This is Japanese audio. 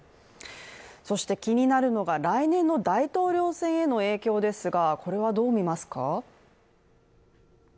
気になるのが来年の大統領選への影響ですが、これはどう見ますか。